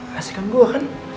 kasihkan gue kan